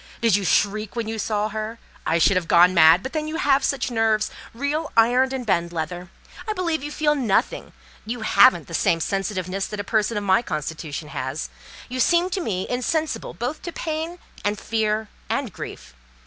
Did you shriek when you saw her: I should have gone mad; but then you have such nerves!—real iron and bend leather! I believe you feel nothing. You haven't the same sensitiveness that a person of my constitution has. You seem to me insensible both to pain and fear and grief.